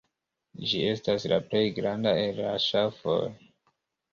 Ĝi estas la plej granda el la ŝafoj.